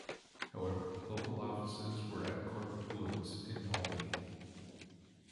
However, local offices were at Corporate Woods in Albany.